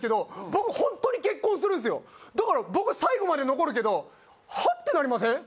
僕ホントに結婚するんすよだから僕最後まで残るけど「は？」ってなりません？